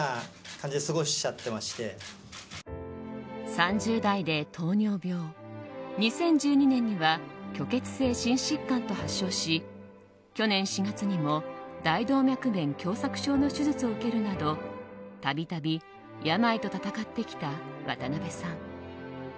３０代で糖尿病２０１２年には虚血性心疾患と発症し去年４月にも大動脈弁狭窄症の手術を受けるなど度々、病と闘ってきた渡辺さん。